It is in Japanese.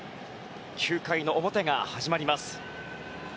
９回の表が始まります。